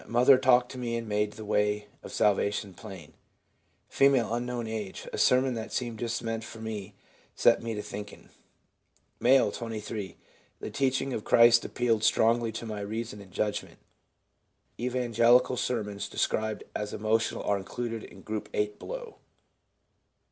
'Mother talked to me and made the way of salvation plain.' F., —. 'A sermon that seemed just meant for me set me to thinking.' M., 23. 'The teaching of Christ appealed strongly to my reason and judgment.' Evangelical sermons described as emotional are included in group 8 below.